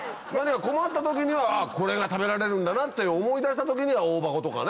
困った時にはこれが食べられるんだなって思い出した時にはオオバコとかね。